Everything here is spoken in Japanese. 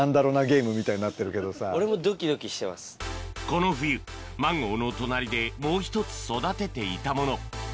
この冬マンゴーの隣でもう１つ育てていたもの